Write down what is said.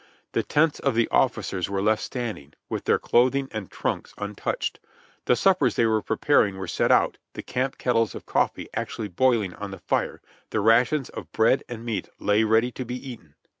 The tents of the offi cers were left standing, with their clothing and trunks untouched; the suppers they were preparing were set out, the camp kettles of cofifee actually boiling on the fire, the rations of bread and meat lay ready to be eaten.